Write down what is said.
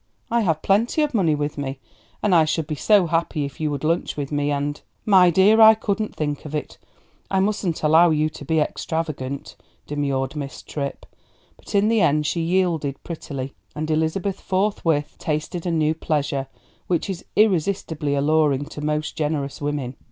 "I have plenty of money with me, and I should be so happy if you would lunch with me, and " "My dear, I couldn't think of it! I mustn't allow you to be extravagant," demurred Miss Tripp. But in the end she yielded prettily, and Elizabeth forthwith tasted a new pleasure, which is irresistibly alluring to most generous women.